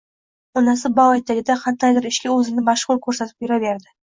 Onasi bog‘ etagida qandaydir ishga o‘zini mashg‘ul ko‘rsatib yuraverdi